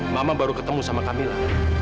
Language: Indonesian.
mama baru ketemu sama kamila